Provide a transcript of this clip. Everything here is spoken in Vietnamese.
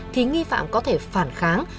thì nghi phạm có thể phản kháng